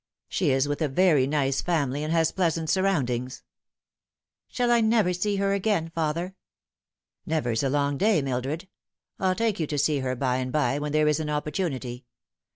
She is with a very nice family, and has pleasant surroundings." " Shall I never see her again, father?" " Never's a long day, Mildred. I'll take you to see her by and by when there is an opportunity.